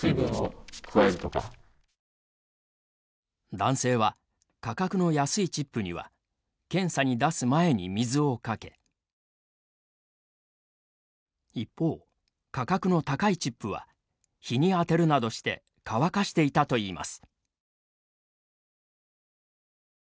男性は、価格の安いチップには検査に出す前に水をかけ一方、価格の高いチップは日に当てるなどして乾かしていたといいます。